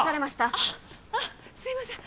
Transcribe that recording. あっあっすいません